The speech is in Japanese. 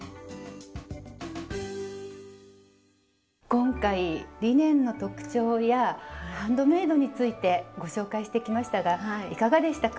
今回リネンの特徴やハンドメイドについてご紹介してきましたがいかがでしたか？